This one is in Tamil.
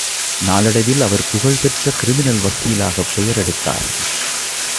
நாளடைவில் அவர் புகழ் பெற்ற கிரிமினல் வக்கீலாகப் பெயரெடுத்தார்.